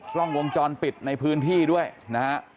กล้องวงจรปิดในพื้นที่ด้วยนะฮะ